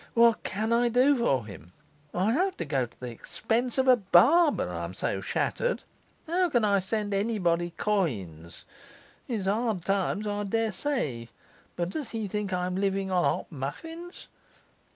'What can I do for him? I have to go to the expense of a barber, I'm so shattered! How can I send anybody coins? It's hard lines, I daresay; but does he think I'm living on hot muffins?